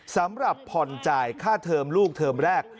สำหรับผ่อนจ่ายค่าเทอมลูกเทอมแรก